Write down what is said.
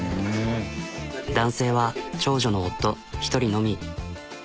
男性は長女の夫１人のみ。